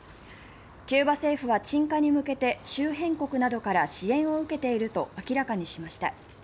キューバ政府は鎮火に向けて周辺国などから支援を受けていると明らかにしました。